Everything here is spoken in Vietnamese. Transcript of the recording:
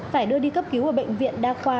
phải đưa đi cấp cứu ở bệnh viện đa khoa